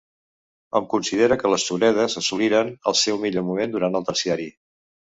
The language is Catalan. Hom considera que les suredes assoliren el seu millor moment durant el terciari.